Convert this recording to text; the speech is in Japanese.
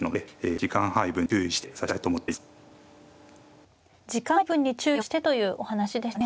時間配分に注意をしてというお話でしたね。